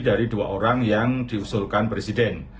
dari dua orang yang diusulkan presiden